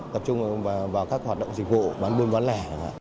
tập trung vào các hoạt động dịch vụ bán buôn bán lẻ